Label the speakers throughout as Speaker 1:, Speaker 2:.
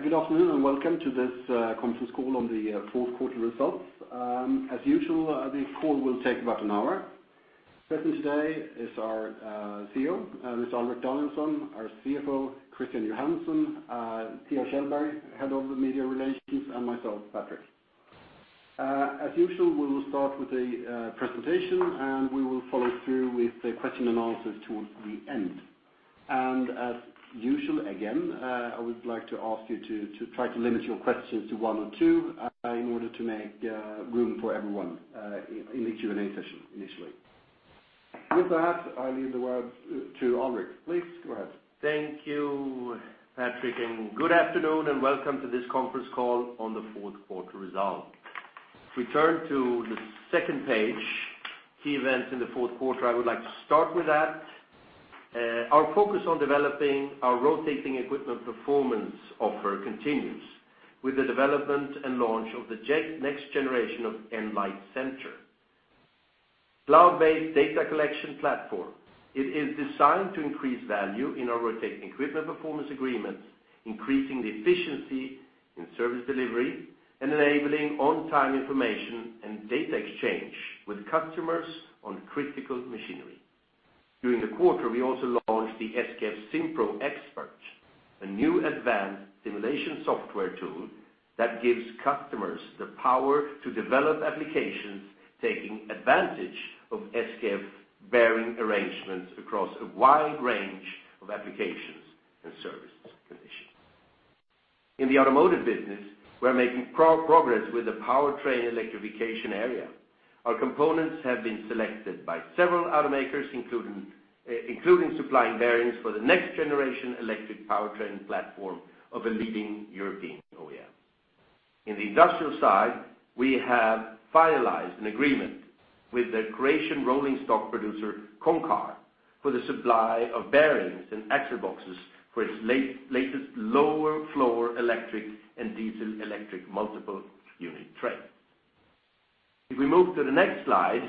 Speaker 1: Good afternoon, and welcome to this conference call on the fourth quarter results. As usual, the call will take about an hour. Present today is our CEO, it's Alrik Danielson, our CFO, Christian Johansson, Pia Kjellberg, Head of Media Relations, and myself, Patrik. As usual, we will start with a presentation, and we will follow through with the question and answers towards the end. And as usual, again, I would like to ask you to try to limit your questions to one or two in order to make room for everyone in the Q&A session initially. With that, I leave the word to Alrik. Please, go ahead.
Speaker 2: Thank you, Patrik, and good afternoon, and welcome to this conference call on the fourth quarter result. If we turn to the second page, key events in the fourth quarter, I would like to start with that. Our focus on developing our Rotating Equipment Performance offer continues with the development and launch of the next generation of Enlight centre Cloud-based data collection platform. It is designed to increase value in our rotating equipment performance agreements, increasing the efficiency in service delivery, and enabling on-time information and data exchange with customers on critical machinery. During the quarter, we also launched the SKF SimPro Expert, a new advanced simulation software tool that gives customers the power to develop applications, taking advantage of SKF bearing arrangements across a wide range of applications and services conditions. In the automotive business, we're making progress with the powertrain electrification area. Our components have been selected by several automakers, including supplying bearings for the next generation electric powertrain platform of a leading European OEM. In the industrial side, we have finalized an agreement with the Croatian rolling stock producer, Končar, for the supply of bearings and axle boxes for its latest lower floor, electric and diesel electric multiple unit train. If we move to the next slide,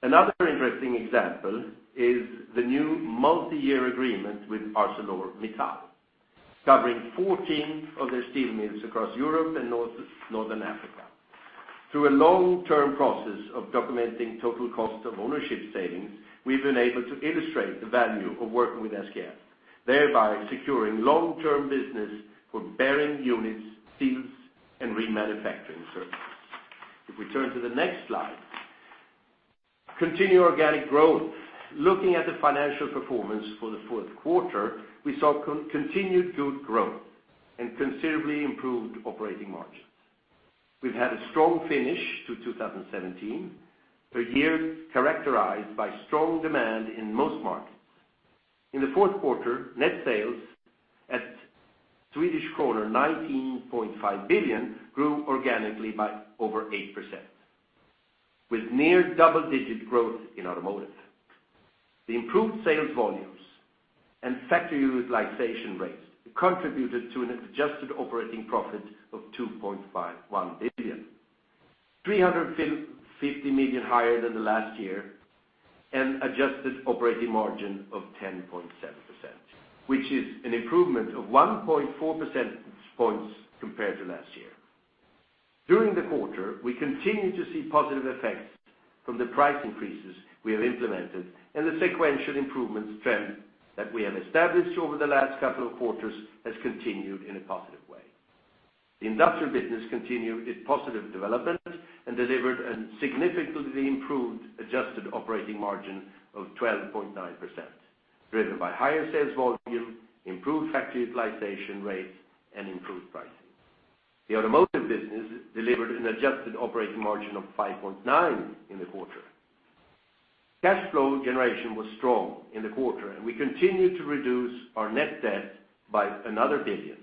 Speaker 2: another interesting example is the new multi-year agreement with ArcelorMittal, covering 14 of their steel mills across Europe and Northern Africa. Through a long-term process of documenting total cost of ownership savings, we've been able to illustrate the value of working with SKF, thereby securing long-term business for bearing units, seals, and remanufacturing services. If we turn to the next slide, continued organic growth. Looking at the financial performance for the fourth quarter, we saw continued good growth and considerably improved operating margins. We've had a strong finish to 2017, a year characterized by strong demand in most markets. In the fourth quarter, net sales of Swedish kronor 19.5 billion grew organically by over 8%, with near double-digit growth in automotive. The improved sales volumes and factory utilization rates contributed to an adjusted operating profit of 2.51 billion, 350 million higher than last year, and adjusted operating margin of 10.7%, which is an improvement of 1.4 percentage points compared to last year. During the quarter, we continued to see positive effects from the price increases we have implemented, and the sequential improvement trend that we have established over the last couple of quarters has continued in a positive way. The industrial business continued its positive development and delivered a significantly improved adjusted operating margin of 12.9%, driven by higher sales volume, improved factory utilization rates, and improved pricing. The automotive business delivered an adjusted operating margin of 5.9% in the quarter. Cash flow generation was strong in the quarter, and we continued to reduce our net debt by another 1 billion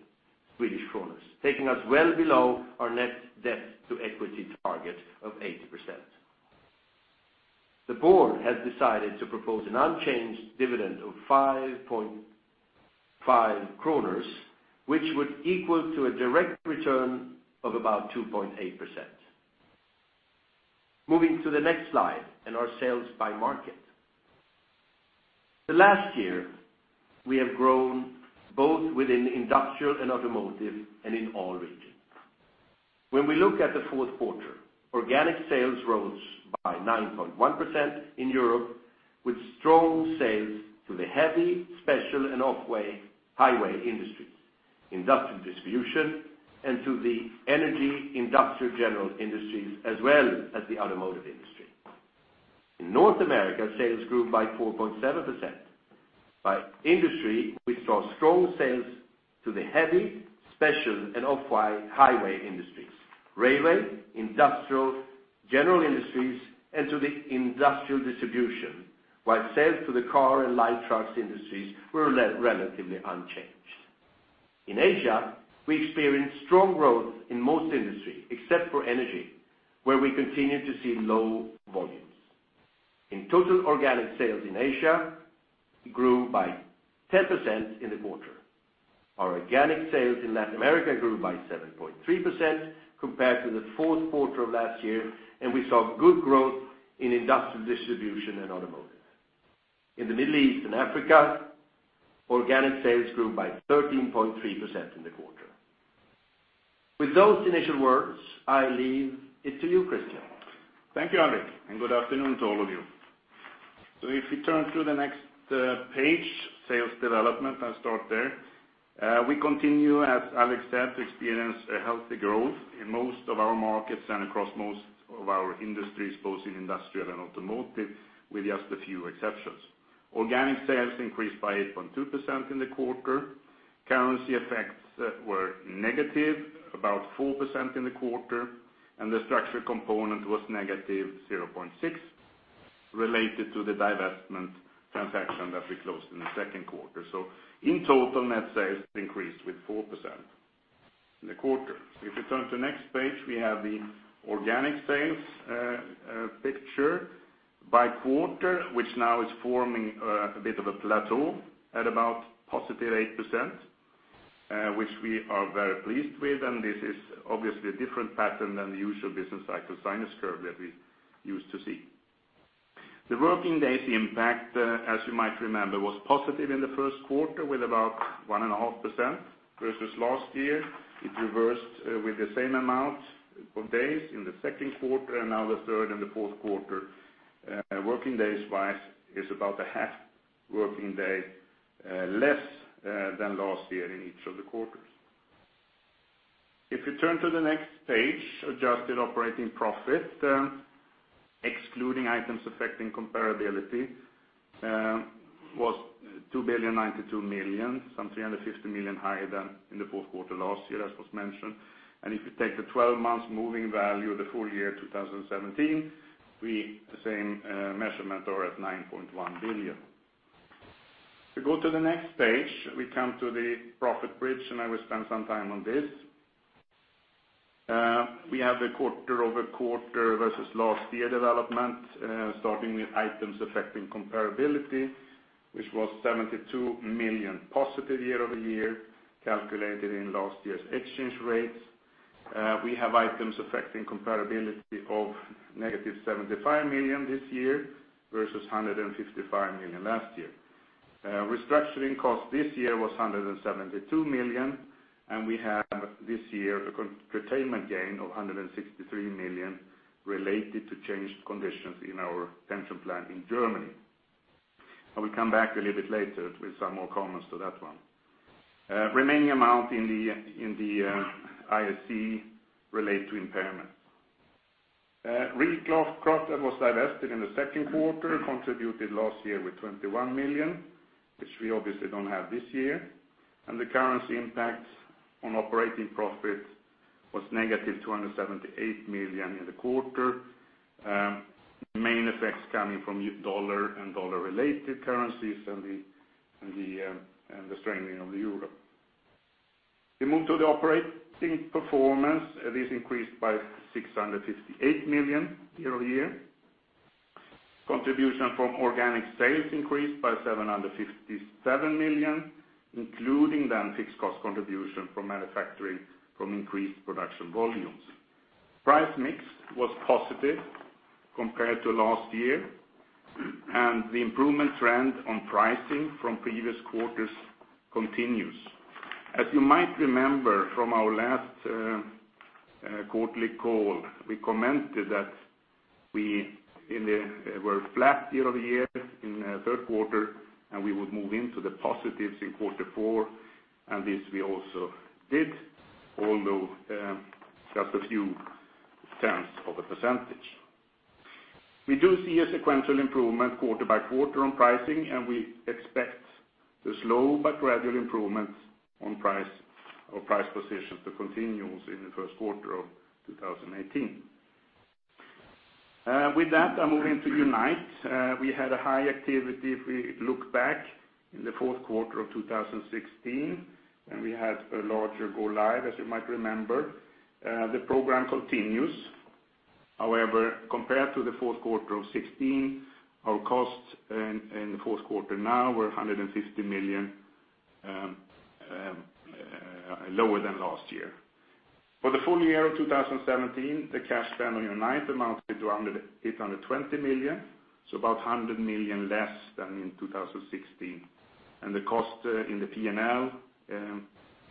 Speaker 2: Swedish kronor, taking us well below our net debt to equity target of 80%. The board has decided to propose an unchanged dividend of 5.5 kronor, which would equal to a direct return of about 2.8%. Moving to the next slide, and our sales by market. Last year, we have grown both within industrial and automotive, and in all regions. When we look at the fourth quarter, organic sales rose by 9.1% in Europe, with strong sales to the heavy, special, and off-highway industries, industrial distribution, and to the energy, industrial, general industries, as well as the automotive industry. In North America, sales grew by 4.7%. By industry, we saw strong sales to the heavy, special, and off-highway industries, railway, industrial, general industries, and to the industrial distribution, while sales to the car and light trucks industries were relatively unchanged. In Asia, we experienced strong growth in most industries, except for energy, where we continue to see low volumes. In total, organic sales in Asia grew by 10% in the quarter. Our organic sales in Latin America grew by 7.3% compared to the fourth quarter of last year, and we saw good growth in industrial distribution and automotive. In the Middle East and Africa, organic sales grew by 13.3% in the quarter. With those initial words, I leave it to you, Christian.
Speaker 3: Thank you, Alrik, and good afternoon to all of you. So if you turn to the next page, sales development, I'll start there. We continue, as Alrik said, to experience a healthy growth in most of our markets and across most of our industries, both in industrial and automotive, with just a few exceptions. Organic sales increased by 8.2% in the quarter. Currency effects were negative, about 4% in the quarter, and the structure component was -0.6, related to the divestment transaction that we closed in the second quarter. So in total, net sales increased with 4% in the quarter. If you turn to next page, we have the organic sales picture by quarter, which now is forming a bit of a plateau at about +8%, which we are very pleased with. This is obviously a different pattern than the usual business cycle sinus curve that we used to see. The working days impact, as you might remember, was positive in the first quarter, with about 1.5% versus last year. It reversed with the same amount of days in the second quarter, and now the third and the fourth quarter, working days-wise, is about a half working day less than last year in each of the quarters. If you turn to the next page, adjusted operating profit, excluding items affecting comparability, was 2,092 million, 350 million higher than in the fourth quarter last year, as was mentioned. If you take the 12 months moving value, the full year, 2017, we the same measurement are at 9.1 billion. If you go to the next page, we come to the profit bridge, and I will spend some time on this. We have the quarter-over-quarter versus last year development, starting with items affecting comparability, which was 72 million positive year-over-year, calculated in last year's exchange rates. We have items affecting comparability of -75 million this year versus 155 million last year. Restructuring costs this year was 172 million, and we have this year a containment gain of 163 million related to changed conditions in our pension plan in Germany. I will come back a little bit later with some more comments to that one. Remaining amount in the IAC relate to impairment. Reelcraft that was divested in the second quarter contributed last year with 21 million, which we obviously don't have this year, and the currency impact on operating profit was negative 278 million in the quarter. Main effects coming from dollar and dollar-related currencies and the strengthening of the euro. We move to the operating performance. It is increased by 658 million year-over-year. Contribution from organic sales increased by 757 million, including the fixed cost contribution from manufacturing from increased production volumes. Price mix was positive compared to last year, and the improvement trend on pricing from previous quarters continues. As you might remember from our last quarterly call, we commented that we were flat year over year in third quarter, and we would move into the positives in quarter four, and this we also did, although just a few tenths of a percentage. We do see a sequential improvement quarter by quarter on pricing, and we expect the slow but gradual improvements on price or price position to continue in the first quarter of 2018. With that, I'm moving to Unite. We had a high activity, if we look back in the fourth quarter of 2016, and we had a larger go live, as you might remember. The program continues. However, compared to the fourth quarter of 2016, our costs in the fourth quarter now were 150 million lower than last year. For the full year of 2017, the cash spend on Unite amounted to 820 million, so about 100 million less than in 2016. And the cost in the P&L,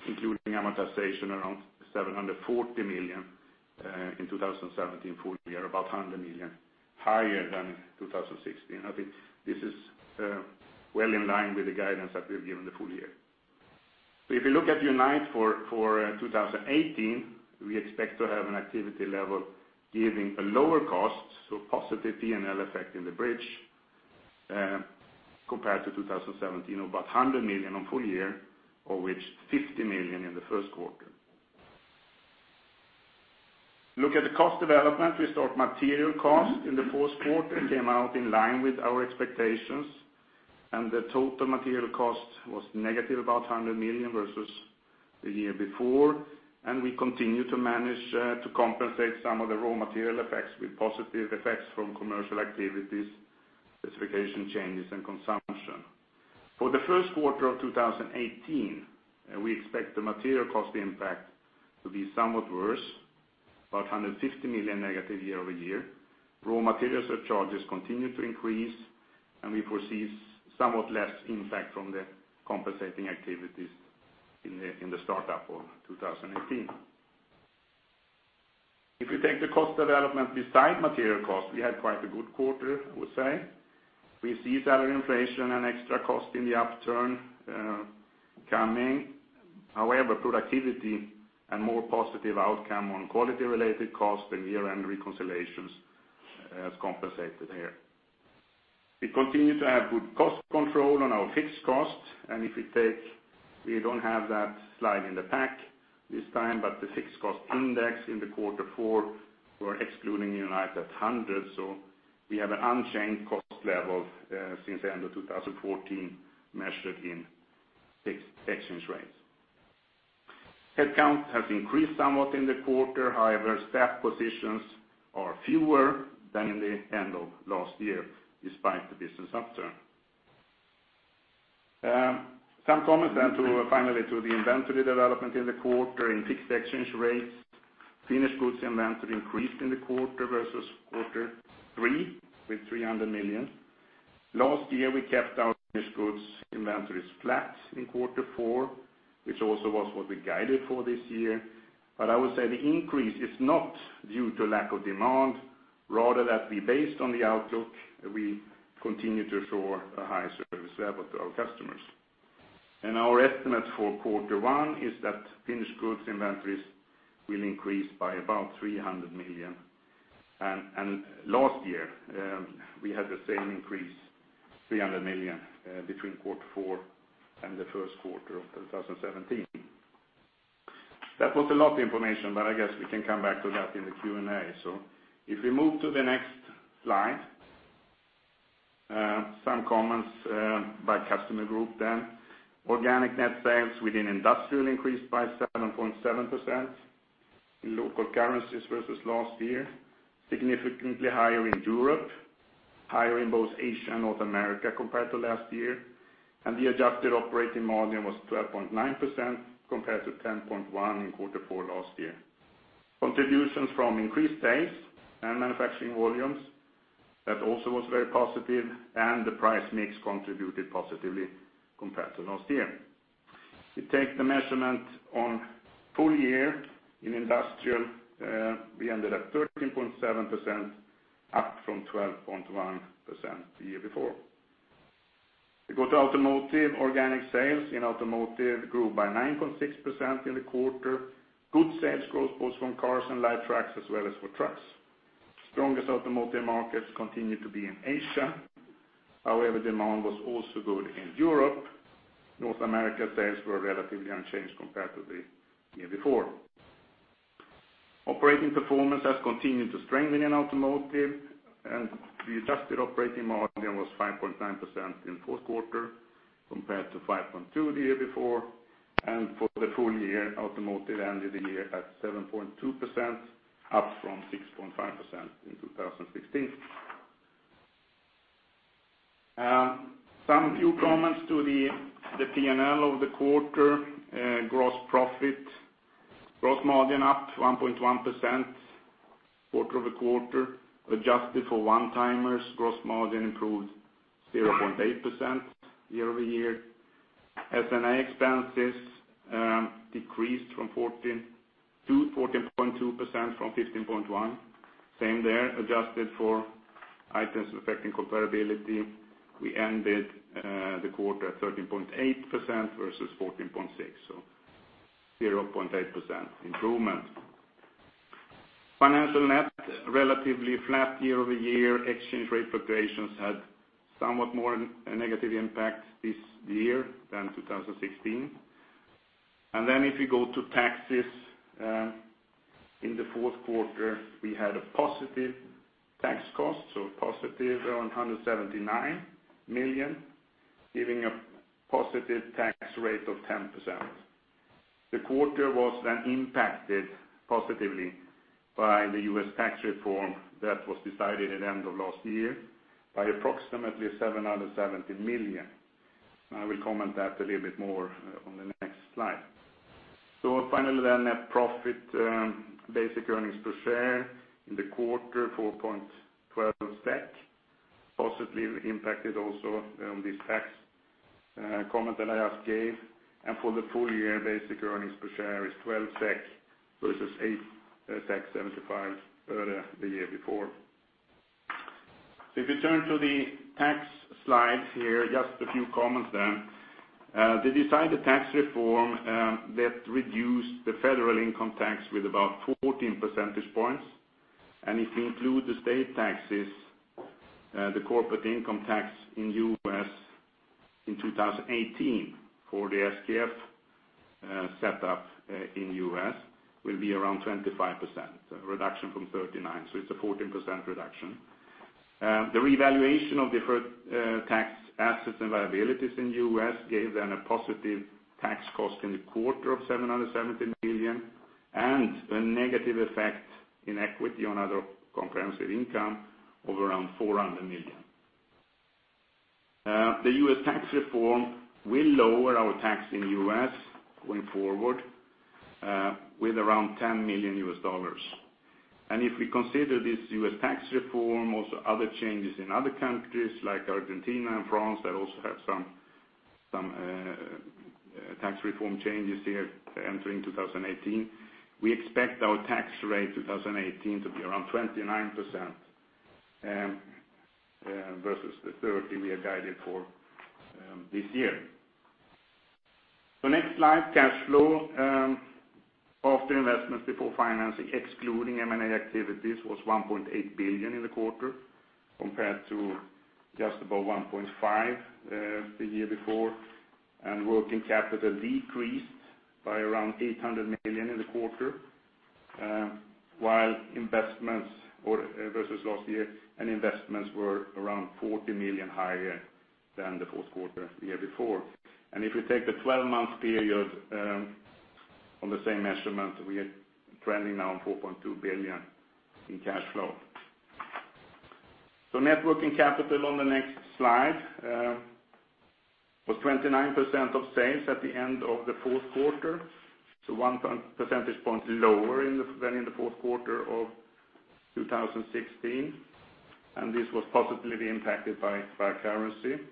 Speaker 3: including amortization, around 740 million in 2017 full year, about 100 million higher than 2016. I think this is well in line with the guidance that we've given the full year. If you look at Unite for 2018, we expect to have an activity level giving a lower cost, so positive P&L effect in the bridge, compared to 2017, about 100 million on full year, of which 50 million in the first quarter. Look at the cost development. We start material cost in the fourth quarter, came out in line with our expectations, and the total material cost was negative, about 100 million versus the year before. And we continue to manage to compensate some of the raw material effects with positive effects from commercial activities, specification changes, and consumption. For the first quarter of 2018, we expect the material cost impact to be somewhat worse, about 150 million negative year-over-year. Raw material surcharges continue to increase, and we foresee somewhat less impact from the compensating activities in the startup of 2018. If you take the cost development besides material cost, we had quite a good quarter, I would say. We see salary inflation and extra cost in the upturn, coming. However, productivity and more positive outcome on quality-related costs and year-end reconciliations, has compensated here. We continue to have good cost control on our fixed costs, and if we take, we don't have that slide in the pack this time, but the fixed cost index in the quarter four, we're excluding Unite at SEK 100 million. So we have an unchanged cost level, since the end of 2014, measured in fixed exchange rates. Headcount has increased somewhat in the quarter, however, staff positions are fewer than in the end of last year, despite the business upturn. Some comments then, finally, to the inventory development in the quarter. In fixed exchange rates, finished goods inventory increased in the quarter versus quarter three, with 300 million. Last year, we kept our finished goods inventories flat in quarter four, which also was what we guided for this year. But I would say the increase is not due to lack of demand, rather that we based on the outlook, we continue to show a high service level to our customers. And our estimate for quarter one is that finished goods inventories will increase by about 300 million. And last year, we had the same increase, 300 million, between quarter four and the first quarter of 2017. That was a lot of information, but I guess we can come back to that in the Q&A. So if we move to the next slide, some comments, by customer group then. Organic net sales within industrial increased by 7.7% in local currencies versus last year, significantly higher in Europe, higher in both Asia and North America, compared to last year. And the adjusted operating margin was 12.9%, compared to 10.1% in quarter four last year. Contributions from increased sales and manufacturing volumes, that also was very positive, and the price mix contributed positively compared to last year. We take the measurement on full year in industrial, we ended at 13.7%, up from 12.1% the year before. We go to automotive. Organic sales in automotive grew by 9.6% in the quarter. Good sales growth, both from cars and light trucks, as well as for trucks. Strongest automotive markets continue to be in Asia. However, demand was also good in Europe. North America, sales were relatively unchanged compared to the year before. Operating performance has continued to strengthen in automotive, and the adjusted operating margin was 5.9% in fourth quarter, compared to 5.2% the year before, and for the full year, automotive ended the year at 7.2%, up from 6.5% in 2016. Some few comments to the P&L of the quarter, gross profit. Gross margin up 1.1% quarter-over-quarter, adjusted for one-timers. Gross margin improved 0.8% year-over-year. S&A expenses decreased from 14% to 14.2% from 15.1. Same there, adjusted for items affecting comparability, we ended the quarter at 13.8% versus 14.6%, so 0.8% improvement. Financial net, relatively flat year-over-year, exchange rate fluctuations had somewhat more a negative impact this year than 2016. And then if you go to taxes, in the fourth quarter, we had a positive tax cost, so positive 179 million, giving a positive tax rate of 10%. The quarter was then impacted positively by the U.S. tax reform that was decided at the end of last year by approximately 770 million. I will comment that a little bit more on the next slide. So finally, then net profit, basic earnings per share in the quarter, 4.12, positively impacted also on this tax comment that I just gave. And for the full year, basic earnings per share is 12 SEK versus 8.75 SEK earlier the year before. So if you turn to the tax slide here, just a few comments then. They decide the tax reform that reduced the federal income tax with about 14 percentage points. And if you include the state taxes, the corporate income tax in U.S. in 2018 for the SKF setup in U.S. will be around 25%, a reduction from 39%. So it's a 14% reduction. The revaluation of deferred tax assets and liabilities in U.S. gave them a positive tax cost in the quarter of 717 million and a negative effect in equity on other comprehensive income of around 400 million. The U.S. tax reform will lower our tax in U.S. going forward with around SEK 10 million. If we consider this U.S. tax reform, also other changes in other countries like Argentina and France, that also have some tax reform changes here entering 2018, we expect our tax rate 2018 to be around 29%, versus the 30 we have guided for this year. So next slide, cash flow after investments before financing, excluding M&A activities, was 1.8 billion in the quarter, compared to just about 1.5 billion the year before. Working capital decreased by around 800 million in the quarter, while investments or versus last year, and investments were around 40 million higher than the fourth quarter the year before. If we take the 12-month period on the same measurement, we are trending now on 4.2 billion in cash flow. Net working capital on the next slide was 29% of sales at the end of the fourth quarter, so 1 percentage point lower than in the fourth quarter of 2016, and this was positively impacted by currency.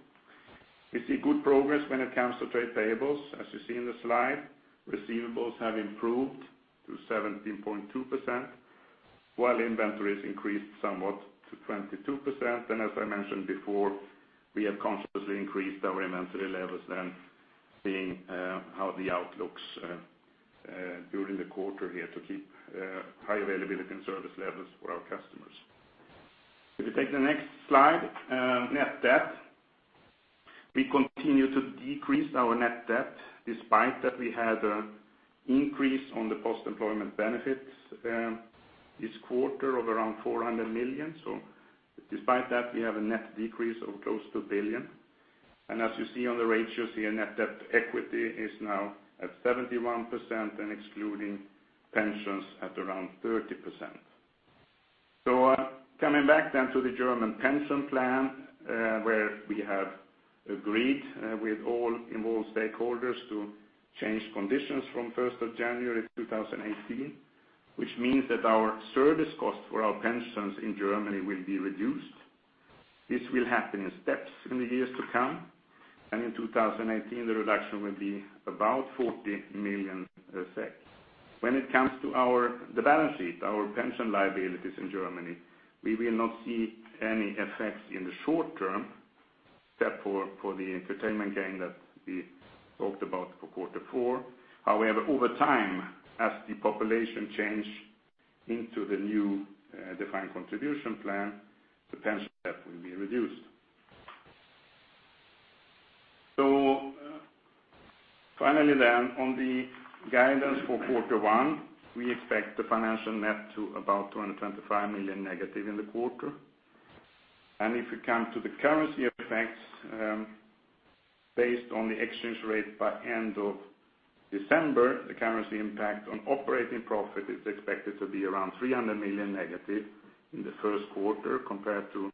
Speaker 3: We see good progress when it comes to trade payables. As you see in the slide, receivables have improved to 17.2%, while inventories increased somewhat to 22%. As I mentioned before, we have consciously increased our inventory levels than seeing, how the outlooks, during the quarter here to keep, high availability and service levels for our customers. If you take the next slide, net debt, we continue to decrease our net debt, despite that we had an increase on the post-employment benefits, this quarter of around 400 million. So despite that, we have a net decrease of close to 1 billion. As you see on the ratios here, net debt equity is now at 71% and excluding pensions at around 30%. So coming back then to the German pension plan, where we have agreed with all involved stakeholders to change conditions from January 1st, 2018, which means that our service cost for our pensions in Germany will be reduced. This will happen in steps in the years to come, and in 2018, the reduction will be about 40 million effect. When it comes to the balance sheet, our pension liabilities in Germany, we will not see any effects in the short term, except for the containment gain that we talked about for quarter four. However, over time, as the population change into the new defined contribution plan, the pension debt will be reduced. So finally then, on the guidance for quarter one, we expect the financial net to about 225 million negative in the quarter. If we come to the currency effects, based on the exchange rate by end of December, the currency impact on operating profit is expected to be around negative 300 million in the first quarter compared to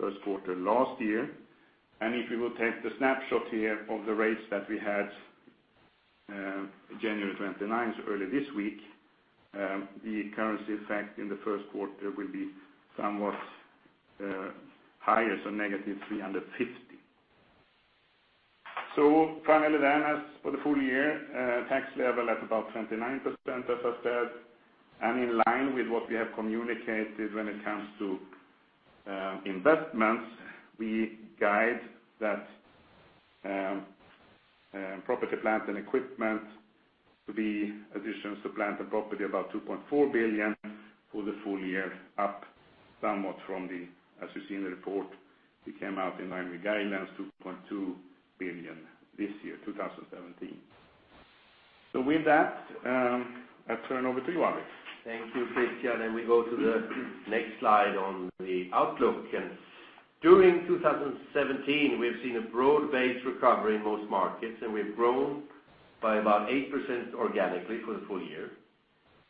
Speaker 3: first quarter last year. If you will take the snapshot here of the rates that we had, January 29, so early this week, the currency effect in the first quarter will be somewhat higher, so negative 350 million. So finally then, as for the full year, tax level at about 29%, as I said, and in line with what we have communicated when it comes to, investments, we guide that, property, plant, and equipment to be additions to plant and property about 2.4 billion for the full year, up somewhat from the, as you see in the report, we came out in line with guidelines, 2.2 billion this year, 2017. So with that, I turn over to you, Alrik.
Speaker 2: Thank you, Christian, and we go to the next slide on the outlook. During 2017, we have seen a broad-based recovery in most markets, and we've grown by about 8% organically for the full year.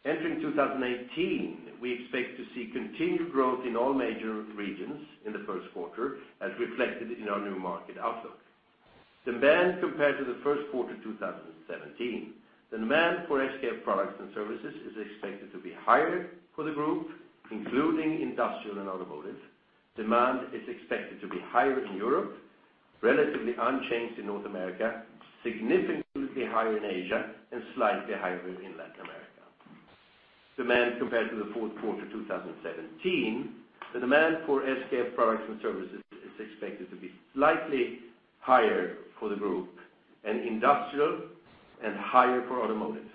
Speaker 2: Entering 2018, we expect to see continued growth in all major regions in the first quarter, as reflected in our new market outlook. Demand compared to the first quarter 2017, the demand for SKF products and services is expected to be higher for the group, including industrial and automotive. Demand compared to the fourth quarter 2017, the demand for SKF products and services is expected to be slightly higher for the group in industrial and higher for automotive.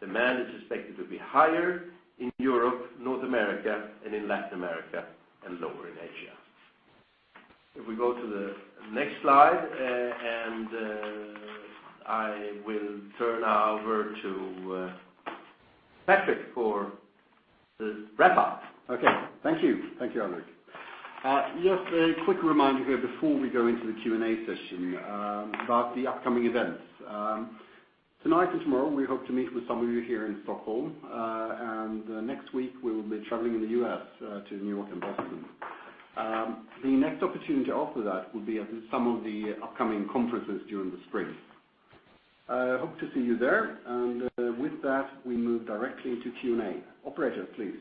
Speaker 2: Demand is expected to be higher in Europe, North America, and in Latin America, and lower in Asia. If we go to the next slide, and I will turn now over to Patrik for details. To wrap up.
Speaker 1: Okay, thank you. Thank you, Alrik. Just a quick reminder here before we go into the Q&A session, about the upcoming events. Tonight and tomorrow, we hope to meet with some of you here in Stockholm. Next week, we will be traveling in the U.S., to New York and Boston. The next opportunity after that will be at some of the upcoming conferences during the spring. I hope to see you there, and with that, we move directly into Q&A. Operator, please.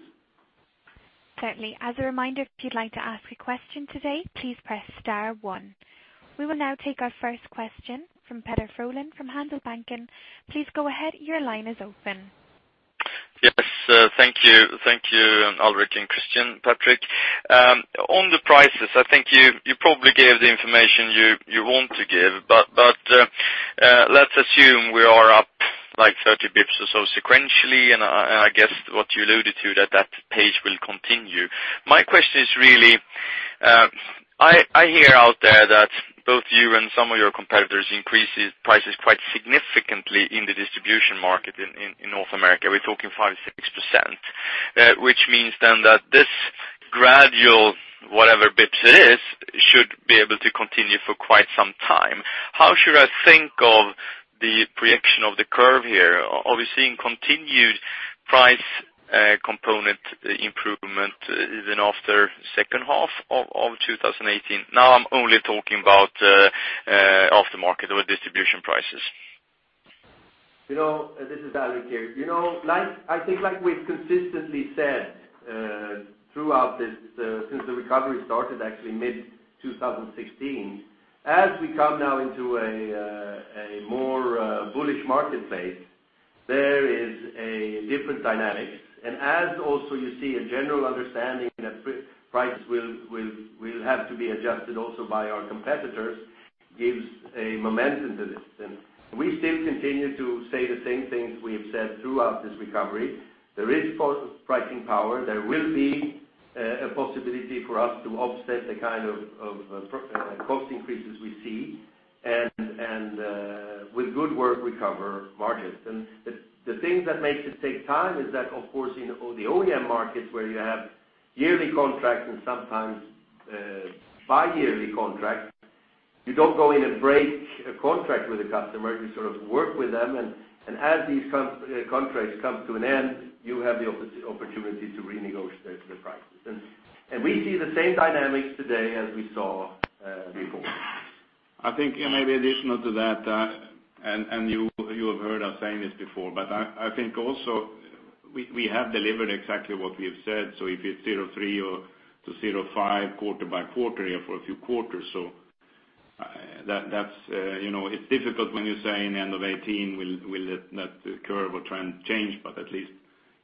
Speaker 4: Certainly. As a reminder, if you'd like to ask a question today, please press star one. We will now take our first question from Peder Frölén from Handelsbanken. Please go ahead. Your line is open.
Speaker 5: Yes, thank you. Thank you, Alrik and Christian, Patrick. On the prices, I think you probably gave the information you want to give, but let's assume we are up, like, 30 bps or so sequentially, and I guess what you alluded to, that that pace will continue. My question is really, I hear out there that both you and some of your competitors increases prices quite significantly in the distribution market in North America. We're talking 5%-6%, which means then that this gradual, whatever bps it is, should be able to continue for quite some time. How should I think of the projection of the curve here? Are we seeing continued price component improvement, even after second half of 2018? Now I'm only talking about off the market or distribution prices.
Speaker 2: You know, this is Alrik here. You know, like I think like we've consistently said throughout this since the recovery started, actually mid-2016, as we come now into a more bullish marketplace, there is a different dynamic. And as also you see a general understanding that prices will have to be adjusted also by our competitors, gives a momentum to this. And we still continue to say the same things we have said throughout this recovery. There is pricing power. There will be a possibility for us to offset the kind of cost increases we see, and with good work, recover margins. And the thing that makes it take time is that, of course, in the OEM markets, where you have yearly contracts and sometimes bi-yearly contracts, you don't go in and break a contract with a customer. You sort of work with them, and as these contracts come to an end, you have the opportunity to renegotiate the prices. And we see the same dynamics today as we saw before.
Speaker 3: I think, maybe additional to that, and you have heard us saying this before, but I think also we have delivered exactly what we have said. So if it's 0.3 or to 0.5, quarter by quarter here for a few quarters, so, that, that's, you know, it's difficult when you say, in the end of 2018, will that curve or trend change, but at least,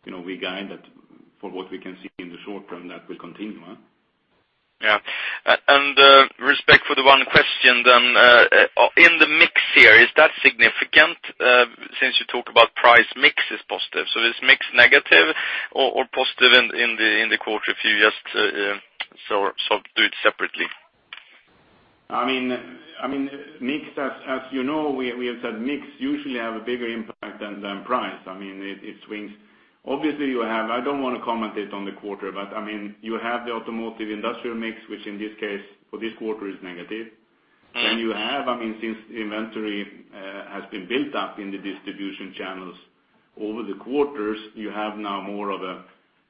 Speaker 3: you know, we guide that for what we can see in the short term, that will continue, huh?
Speaker 5: Yeah. And respect for the one question then, in the mix here, is that significant? Since you talk about price/mix is positive, so this mix negative or positive in the quarter, if you just, so do it separately.
Speaker 3: I mean, mix, as you know, we have said, mix usually have a bigger impact than price. I mean, it swings. Obviously, you have. I don't want to comment it on the quarter, but, I mean, you have the automotive industrial mix, which in this case, for this quarter, is negative. Then you have, I mean, since inventory has been built up in the distribution channels over the quarters, you have now more of a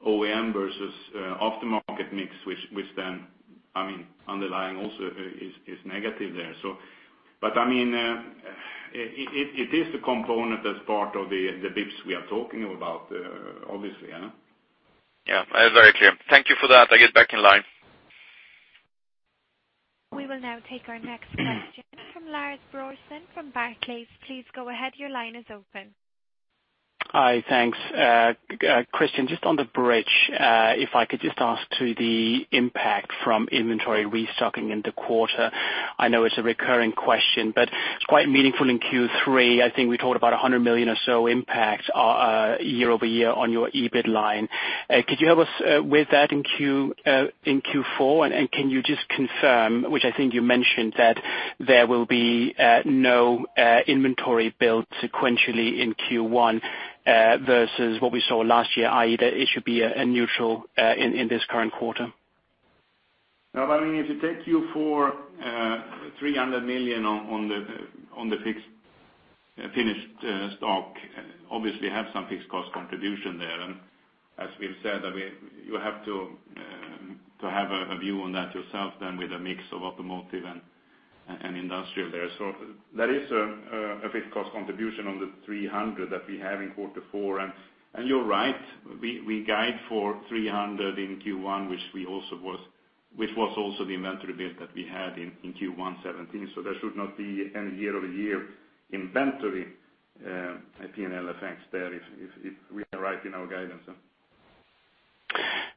Speaker 3: OEM versus aftermarket mix, which then, I mean, underlying also is negative there, so. But, I mean, it is the component that's part of the bps we are talking about, obviously, yeah.
Speaker 5: Yeah, that's very clear. Thank you for that. I get back in line.
Speaker 4: We will now take our next question from Lars Brorson, from Barclays. Please go ahead. Your line is open.
Speaker 6: Hi, thanks. Christian, just on the bridge, if I could just ask to the impact from inventory restocking in the quarter. I know it's a recurring question, but it's quite meaningful in Q3. I think we talked about 100 million or so impact, year-over-year on your EBIT line. Could you help us with that in Q4? And can you just confirm, which I think you mentioned, that there will be no inventory build sequentially in Q1 versus what we saw last year, i.e., that it should be a neutral in this current quarter?
Speaker 3: Now, I mean, if you take Q4, 300 million on the fixed finished stock, obviously have some fixed cost contribution there. And as we've said, I mean, you have to have a view on that yourself then with a mix of automotive and industrial there. So that is a fixed cost contribution on the 300 million that we have in quarter four. And you're right, we guide for 300 million in Q1, which was also the inventory build that we had in Q1 2017. So there should not be any year-over-year inventory P&L effects there, if we are right in our guidance.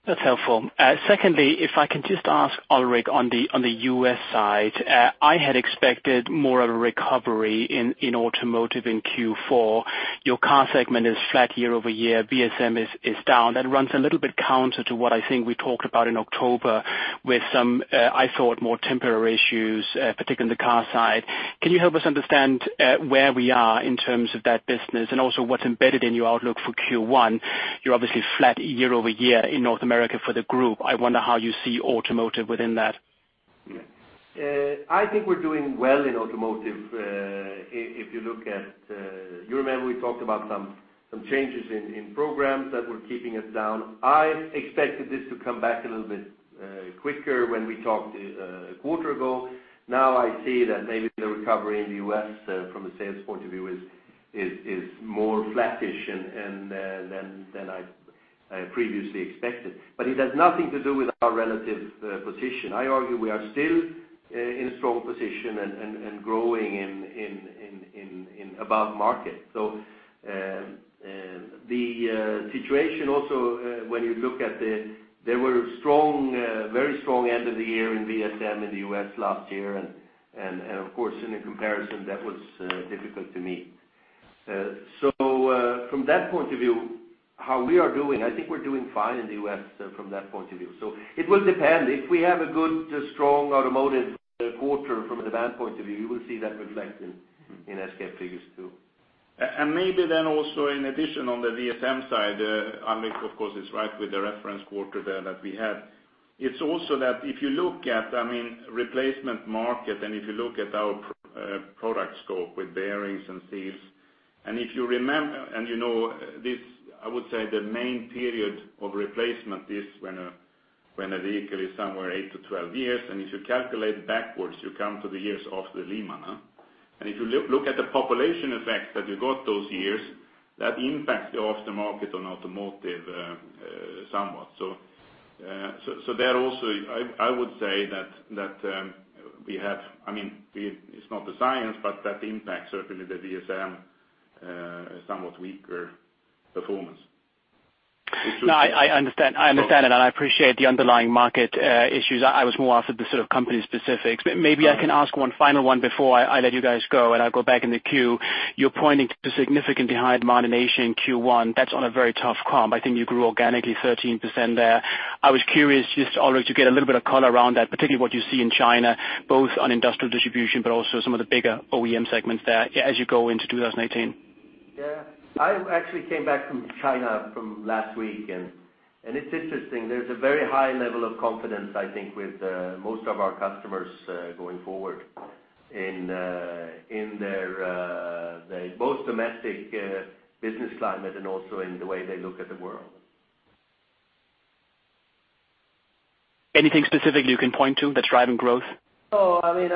Speaker 6: That's helpful. Secondly, if I can just ask Alrik on the, on the U.S. side. I had expected more of a recovery in, in automotive in Q4. Your car segment is flat year-over-year, VSM is, is down. That runs a little bit counter to what I think we talked about in October, with some, I thought, more temporary issues, particularly in the car side. Can you help us understand, where we are in terms of that business, and also what's embedded in your outlook for Q1? You're obviously flat year-over-year in North America for the group. I wonder how you see automotive within that?
Speaker 2: I think we're doing well in automotive. If you look at, you remember, we talked about some changes in programs that were keeping us down. I expected this to come back a little bit quicker when we talked a quarter ago. Now, I see that maybe the recovery in the U.S. from a sales point of view is more flattish than I previously expected. But it has nothing to do with our relative position. I argue we are still in a strong position and growing above market. So, the situation also, when you look at the—there were strong, very strong end of the year in VSM in the U.S. last year, and, and, and of course, in a comparison that was difficult to meet. So, from that point of view, how we are doing, I think we're doing fine in the US from that point of view. So it will depend. If we have a good, strong automotive quarter from a demand point of view, you will see that reflected in SKF figures, too.
Speaker 3: And maybe then also in addition on the VSM side, Alrik, of course, is right with the reference quarter there that we had. It's also that if you look at, I mean, replacement market, and if you look at our product scope with bearings and seals, and if you remember, you know, this, I would say, the main period of replacement is when a vehicle is somewhere 8-12 years, and if you calculate backwards, you come to the years of the Lehman. And if you look at the population effects that you got those years, that impacts the aftermarket on automotive, somewhat. So, there also, I would say that we have. I mean, it's not the science, but that impacts certainly the VSM, somewhat weaker performance.
Speaker 6: No, I understand. I understand that, and I appreciate the underlying market issues. I was more after the sort of company specifics. But maybe I can ask one final one before I let you guys go, and I'll go back in the queue. You're pointing to significantly higher margination in Q1. That's on a very tough comp. I think you grew organically 13% there. I was curious just to, Alrik, to get a little bit of color around that, particularly what you see in China, both on industrial distribution, but also some of the bigger OEM segments there as you go into 2018.
Speaker 2: Yeah. I actually came back from China last week, and it's interesting. There's a very high level of confidence, I think, with most of our customers going forward in their both domestic business climate and also in the way they look at the world.
Speaker 6: Anything specifically you can point to that's driving growth?
Speaker 2: No, I mean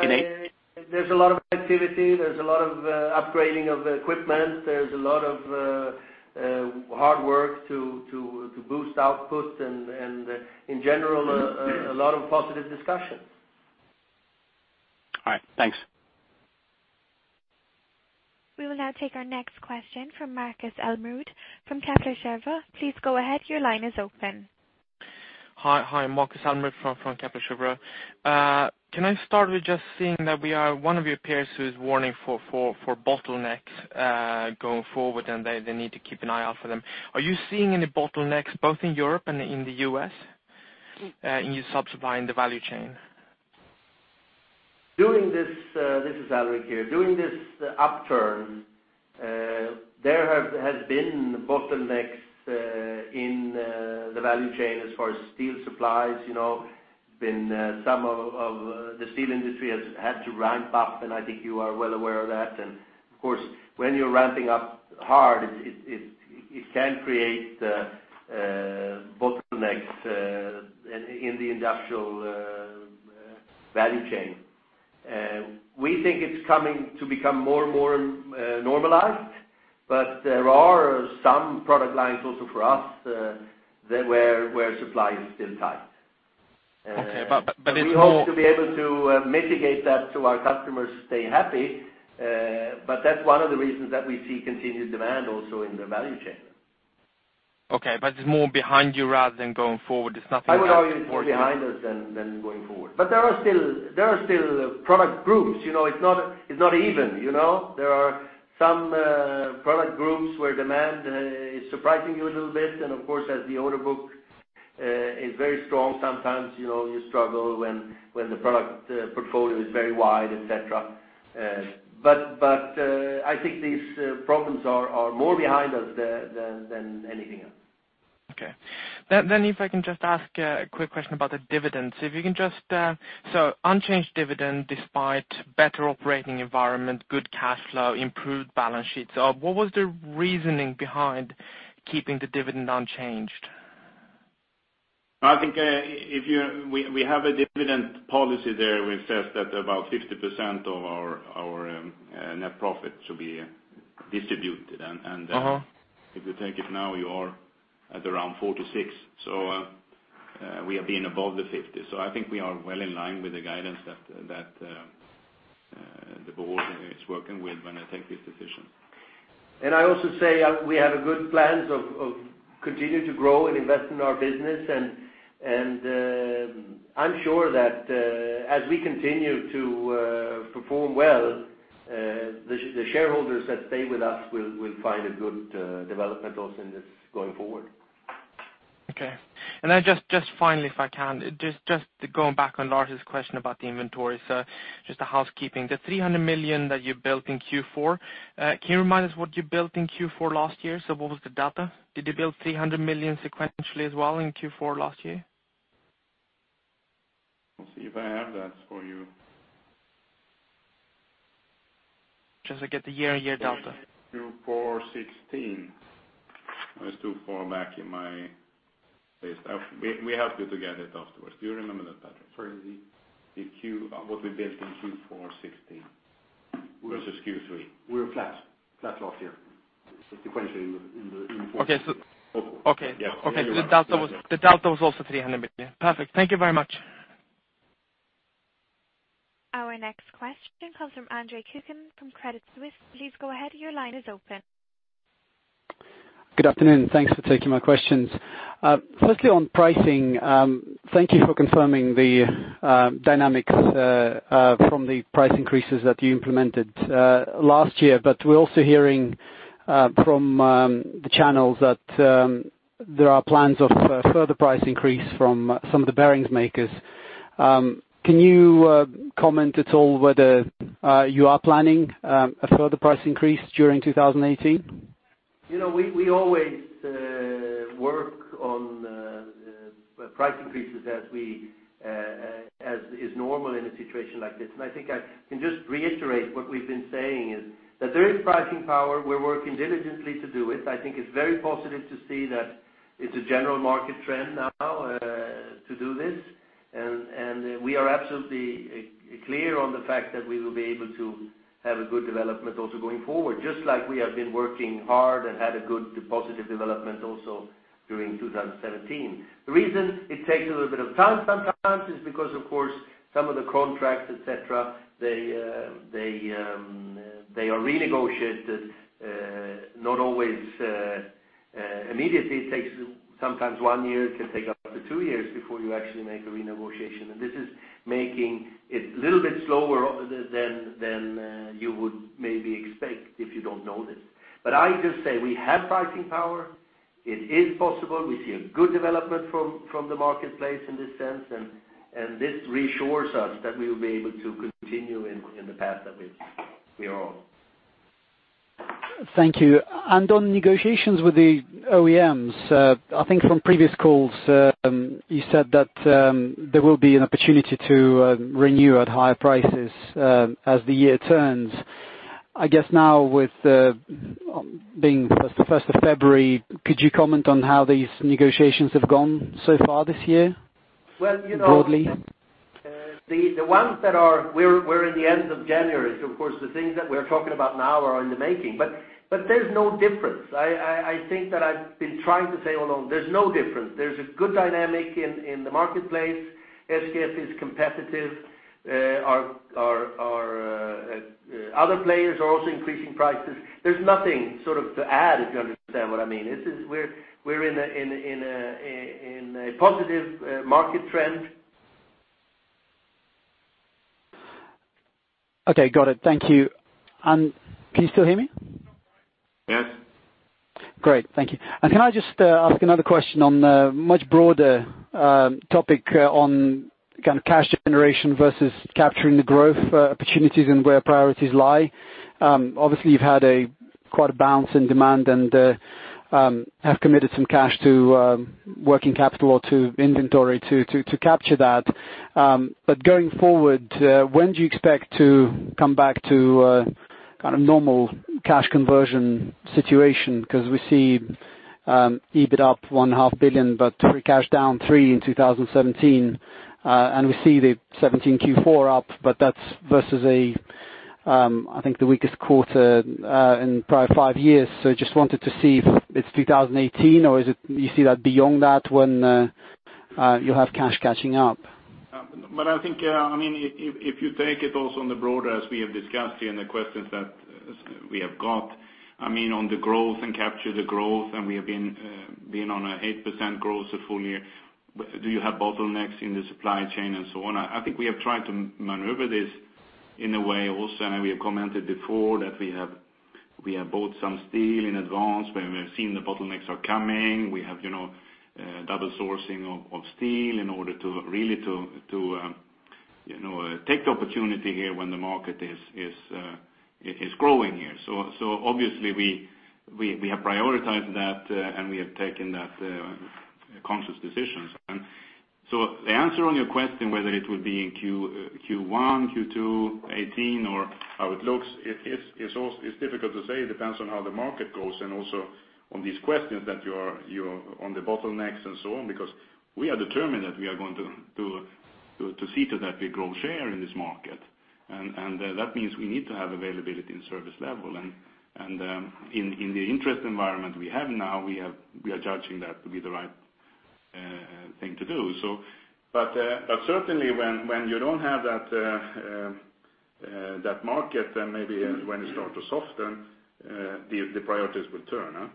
Speaker 2: there's a lot of activity, there's a lot of upgrading of equipment, there's a lot of hard work to boost output, and in general, a lot of positive discussions.
Speaker 6: All right. Thanks.
Speaker 4: We will now take our next question from Markus Almerud from Kepler Cheuvreux. Please go ahead. Your line is open.
Speaker 7: Hi, Markus Almerud from Kepler Cheuvreux. Can I start with just seeing that one of your peers is warning for bottlenecks going forward, and they need to keep an eye out for them. Are you seeing any bottlenecks, both in Europe and in the U.S., in your subsupply, in the value chain?
Speaker 2: During this, this is Alrik here. During this upturn, there has been bottlenecks in the value chain as far as steel supplies, you know. Been, some of the steel industry has had to ramp up, and I think you are well aware of that. And of course, when you're ramping up hard, it can create bottlenecks in the industrial value chain. We think it's coming to become more and more normalized, but there are some product lines also for us that where supply is still tight.
Speaker 7: Okay, but it's more-
Speaker 2: We hope to be able to mitigate that to our customers stay happy, but that's one of the reasons that we see continued demand also in the value chain.
Speaker 7: Okay, but it's more behind you rather than going forward. It's nothing that-
Speaker 2: I would argue it's behind us than, than going forward. But there are still product groups, you know, it's not even, you know? There are some product groups where demand is surprising you a little bit. And of course, as the order book is very strong, sometimes, you know, you struggle when the product portfolio is very wide, et cetera. But I think these problems are more behind us than anything else.
Speaker 7: Okay. Then if I can just ask a quick question about the dividends. If you can just, so unchanged dividend despite better operating environment, good cash flow, improved balance sheets. What was the reasoning behind keeping the dividend unchanged?
Speaker 3: I think, if you—we have a dividend policy there which says that about 50% of our net profit should be distributed. And,
Speaker 7: Uh-huh.
Speaker 3: If you take it now, you are at around 46%. So, we have been above the 50%. So I think we are well in line with the guidance that the board is working with when they take this decision.
Speaker 2: And I also say, we have a good plans of continuing to grow and invest in our business, and, I'm sure that, as we continue to perform well, the shareholders that stay with us will find a good development also in this going forward.
Speaker 7: Okay. And then just, just finally, if I can, just, just to going back on Lars' question about the inventory. So just a housekeeping. The 300 million that you built in Q4, can you remind us what you built in Q4 last year? So what was the data? Did you build 300 million sequentially as well in Q4 last year?
Speaker 3: I'll see if I have that for you.
Speaker 7: Just to get the year on year data.
Speaker 3: Q4 2016. There's 2, 4 back in my list. We help you to get it afterwards. Do you remember that, Patrik?
Speaker 1: Sorry, what we built in Q4 2016.
Speaker 3: Versus Q3.
Speaker 1: We were flat, flat last year, sequentially in the-
Speaker 7: Okay. Okay.
Speaker 1: Yeah.
Speaker 7: Okay, so the delta was, the delta was also 300 million. Perfect. Thank you very much.
Speaker 4: Our next question comes from Andre Kukhnin from Credit Suisse. Please go ahead, your line is open.
Speaker 8: Good afternoon, thanks for taking my questions. Firstly, on pricing, thank you for confirming the dynamics from the price increases that you implemented last year. But we're also hearing from the channels that there are plans of a further price increase from some of the bearings makers. Can you comment at all whether you are planning a further price increase during 2018?
Speaker 2: You know, we always work on price increases as is normal in a situation like this. And I think I can just reiterate what we've been saying is, that there is pricing power. We're working diligently to do it. I think it's very positive to see that it's a general market trend now to do this. And we are absolutely clear on the fact that we will be able to have a good development also going forward. Just like we have been working hard and had a good positive development also during 2017. The reason it takes a little bit of time sometimes is because, of course, some of the contracts, et cetera, they are renegotiated, not always immediately. It takes sometimes one year, it can take up to two years before you actually make a renegotiation. And this is making it a little bit slower than you would maybe expect if you don't know this. But I just say: we have pricing power, it is possible, we see a good development from the marketplace in this sense, and this reassures us that we will be able to continue in the path that we are on.
Speaker 8: Thank you. On negotiations with the OEMs, I think from previous calls, you said that there will be an opportunity to renew at higher prices as the year turns. I guess now with being the first of February, could you comment on how these negotiations have gone so far this year?
Speaker 2: Well, you know-
Speaker 8: - broadly?
Speaker 2: The ones that are, we're in the end of January, so of course, the things that we're talking about now are in the making. But there's no difference. I think that I've been trying to say all along, there's no difference. There's a good dynamic in the marketplace. SKF is competitive. Other players are also increasing prices. There's nothing sort of to add, if you understand what I mean. This is we're in a positive market trend.
Speaker 8: Okay, got it. Thank you. Can you still hear me?
Speaker 2: Yes.
Speaker 8: Great, thank you. Can I just ask another question on a much broader topic, on kind of cash generation versus capturing the growth opportunities and where priorities lie? Obviously, you've had quite a bounce in demand and have committed some cash to working capital or to inventory to capture that. But going forward, when do you expect to come back to kind of normal cash conversion situation? Because we see EBIT up 500 million, but free cash down 3 billion in 2017. And we see the 2017 Q4 up, but that's versus, I think, the weakest quarter in probably five years. Just wanted to see if it's 2018, or is it, you see that beyond that when you'll have cash catching up?
Speaker 3: But I think, I mean, if you take it also on the broader, as we have discussed here, and the questions that we have got, I mean, on the growth and capture the growth, and we have been being on a 8% growth the full year. But do you have bottlenecks in the supply chain and so on? I think we have tried to maneuver this in a way also, and we have commented before that we have bought some steel in advance, where we have seen the bottlenecks are coming. We have, you know, double sourcing of steel in order to really to take the opportunity here when the market is growing here. So obviously, we have prioritized that, and we have taken that conscious decisions. The answer on your question, whether it will be in Q1, Q2 2018 or how it looks, it's difficult to say. It depends on how the market goes, and also on these questions that you are, you're on the bottlenecks and so on. Because we are determined that we are going to see to that we grow share in this market. And that means we need to have availability and service level. In the interest environment we have now, we are judging that to be the right thing to do. So, but certainly when you don't have that market, then maybe when it start to soften, the priorities will turn, huh?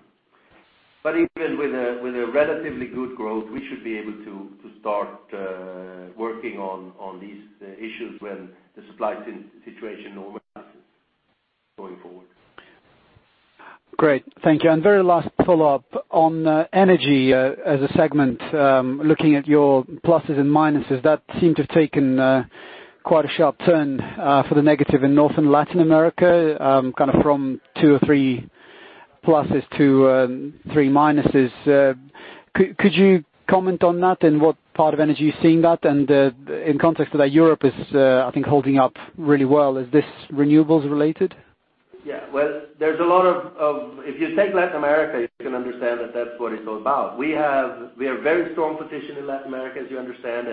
Speaker 2: But even with a relatively good growth, we should be able to start working on these issues when the supply situation normalizes going forward.
Speaker 8: Great. Thank you. And very last follow-up. On energy as a segment, looking at your pluses and minuses, that seem to have taken quite a sharp turn for the negative in North and Latin America, kind of from 2 or 3 pluses to 3 minuses. Could you comment on that? And what part of energy you're seeing that, and in context that Europe is, I think, holding up really well, is this renewables related?
Speaker 2: Yeah. Well, there's a lot of, if you take Latin America, you can understand that that's what it's all about. We are very strong position in Latin America, as you understand.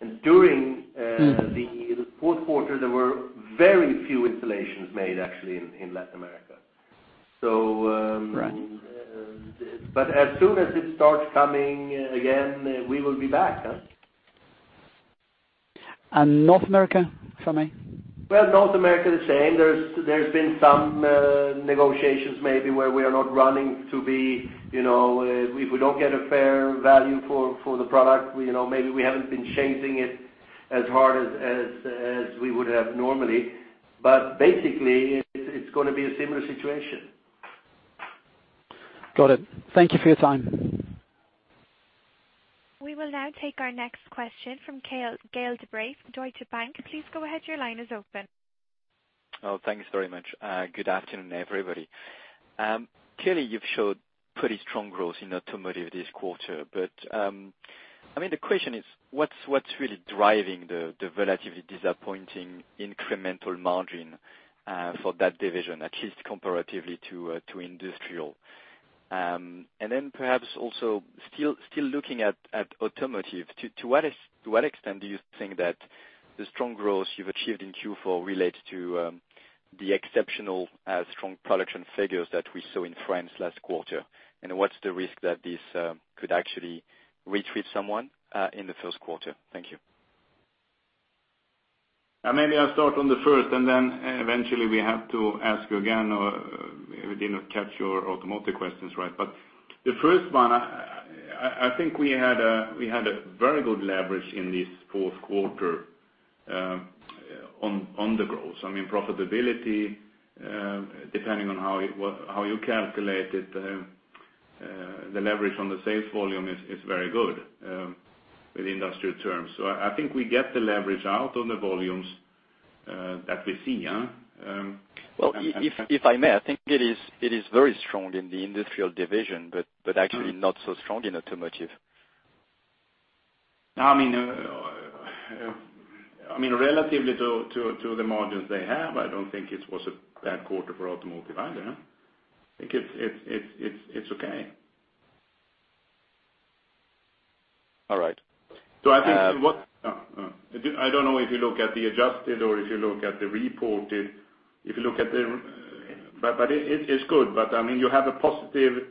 Speaker 2: And during the fourth quarter, there were very few installations made actually in Latin America. So-
Speaker 8: Right.
Speaker 2: But as soon as it starts coming again, we will be back, huh?
Speaker 8: North America, for me?
Speaker 2: Well, North America is the same. There's been some negotiations maybe where we are not running to be, you know, if we don't get a fair value for the product, you know, maybe we haven't been chasing it as hard as we would have normally. But basically, it's gonna be a similar situation.
Speaker 8: Got it. Thank you for your time.
Speaker 4: We will now take our next question from Gael De Bray, Deutsche Bank. Please go ahead. Your line is open.
Speaker 9: Oh, thanks very much. Good afternoon, everybody. Clearly, you've showed pretty strong growth in automotive this quarter. But, I mean, the question is, what's really driving the relatively disappointing incremental margin for that division, at least comparatively to industrial? And then perhaps also, still looking at automotive, to what extent do you think that the strong growth you've achieved in Q4 relates to the exceptional strong production figures that we saw in France last quarter? And what's the risk that this could actually retreat somewhat in the first quarter? Thank you.
Speaker 3: Maybe I'll start on the first, and then eventually we have to ask you again, or we did not catch your automotive questions, right. But the first one, I think we had a very good leverage in this fourth quarter on the growth. I mean, profitability, depending on how you calculate it, the leverage on the sales volume is very good with industrial terms. So I think we get the leverage out on the volumes that we see, yeah?
Speaker 9: Well, if I may, I think it is very strong in the Industrial division, but actually not so strong in Automotive.
Speaker 3: I mean, I mean, relatively to the margins they have, I don't think it was a bad quarter for automotive either, huh? I think it's okay.
Speaker 9: All right. So I think what...
Speaker 3: I don't know if you look at the adjusted or if you look at the reported. If you look at the... But it, it's good. But I mean, you have a positive,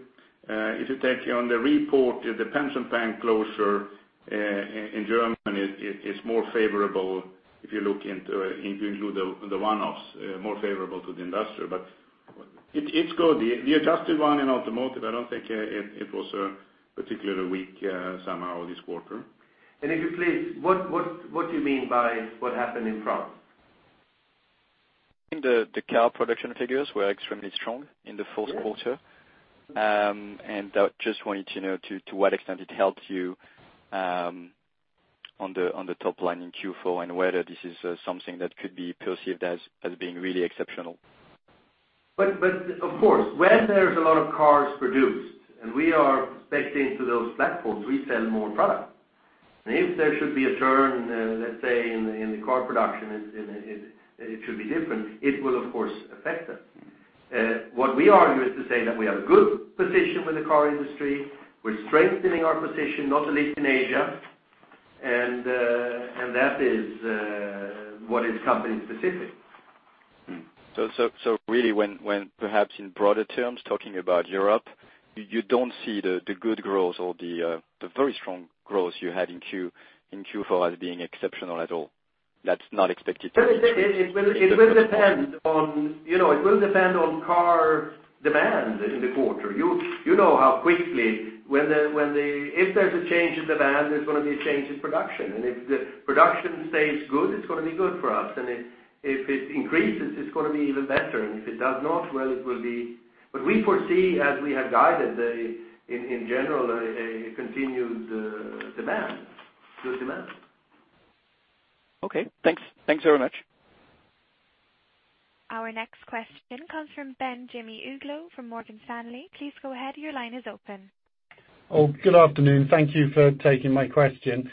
Speaker 3: if you take it on the report, the pension plan closure in Germany, it's more favorable if you look into, if you include the one-offs, more favorable to the industrial. But it's good. The adjusted one in automotive, I don't think it was a particularly weak somehow this quarter. And if you please, what do you mean by what happened in France?
Speaker 9: The car production figures were extremely strong in the fourth quarter. I just wanted to know to what extent it helped you on the top line in Q4, and whether this is something that could be perceived as being really exceptional.
Speaker 2: But of course, when there's a lot of cars produced and we are specifying to those platforms, we sell more product. And if there should be a turn, let's say, in the car production, and it should be different, it will, of course, affect us. What we argue is to say that we are good position with the car industry. We're strengthening our position, not only in Asia, and that is what is company specific.
Speaker 9: So really, when perhaps in broader terms, talking about Europe, you don't see the good growth or the very strong growth you had in Q4 as being exceptional at all? That's not expected to-
Speaker 2: It will depend on, you know, car demand in the quarter. You know how quickly when the, if there's a change in demand, there's gonna be a change in production. And if the production stays good, it's gonna be good for us, and if it increases, it's gonna be even better. And if it does not, well, it will be. But we foresee, as we have guided, in general, a continued demand, good demand.
Speaker 9: Okay, thanks. Thanks very much.
Speaker 4: Our next question comes from Ben Jimmy Uglow from Morgan Stanley. Please go ahead. Your line is open.
Speaker 10: Oh, good afternoon. Thank you for taking my question.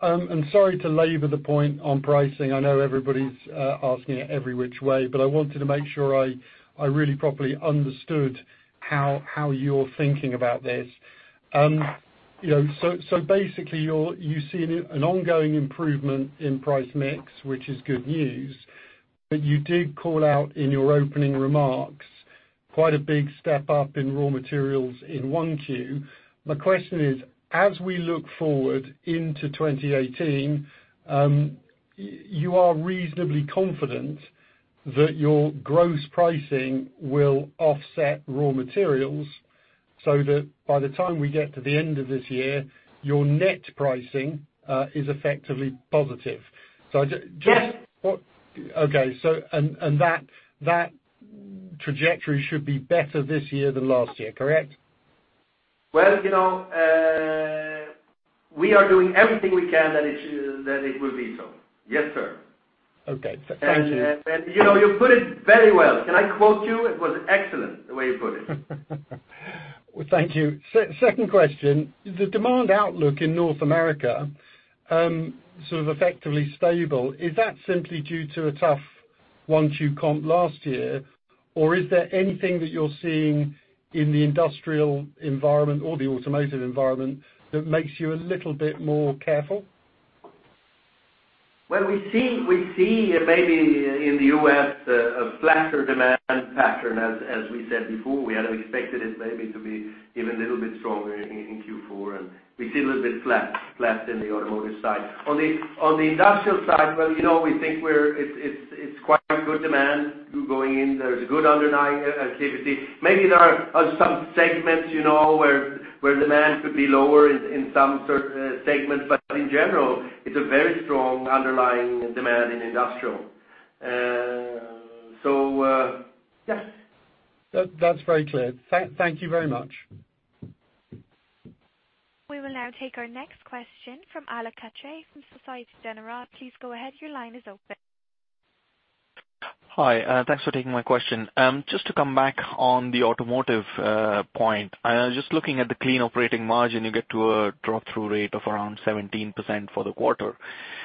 Speaker 10: I'm sorry to labor the point on pricing. I know everybody's asking it every which way, but I wanted to make sure I really properly understood how you're thinking about this. You know, so basically, you see an ongoing improvement in price mix, which is good news. But you did call out in your opening remarks, quite a big step up in raw materials in 1Q. My question is: As we look forward into 2018, you are reasonably confident that your gross pricing will offset raw materials, so that by the time we get to the end of this year, your net pricing is effectively positive? So just-
Speaker 2: Yes.
Speaker 10: Okay, so, that trajectory should be better this year than last year, correct?
Speaker 2: Well, you know, We are doing everything we can, that it, that it will be so. Yes, sir.
Speaker 10: Okay, thank you.
Speaker 2: You know, you put it very well. Can I quote you? It was excellent, the way you put it.
Speaker 10: Well, thank you. Second question: the demand outlook in North America, sort of effectively stable, is that simply due to a tough one-two comp last year? Or is there anything that you're seeing in the industrial environment or the automotive environment that makes you a little bit more careful?
Speaker 2: Well, we see maybe in the U.S., a flatter demand pattern. As we said before, we had expected it maybe to be even a little bit stronger in Q4, and we see a little bit flat in the automotive side. On the industrial side, well, you know, we think it's quite good demand going in. There's good underlying activity. Maybe there are some segments, you know, where demand could be lower in some certain segments, but in general, it's a very strong underlying demand in industrial. So, yeah.
Speaker 10: That's very clear. Thank you very much.
Speaker 4: We will now take our next question from Alok Katre from Société Générale. Please go ahead. Your line is open.
Speaker 11: Hi, thanks for taking my question. Just to come back on the automotive point, just looking at the clean operating margin, you get to a drop-through rate of around 17% for the quarter.